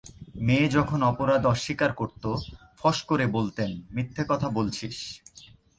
মেয়ে যখন অপরাধ অস্বীকার করত, ফস করে বলতেন, মিথ্যে কথা বলছিস।